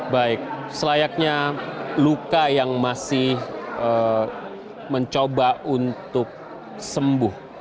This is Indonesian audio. baik selayaknya luka yang masih mencoba untuk sembuh